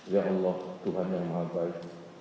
ya allah tuhan yang maha baik